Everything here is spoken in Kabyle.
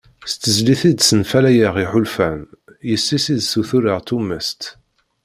"S tezlit i d-senfalayeɣ iḥulfan, yis-s i ssutureɣ tumast."